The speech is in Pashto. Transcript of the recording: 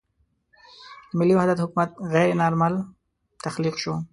د ملي وحدت حکومت غیر نارمل تخلیق شو.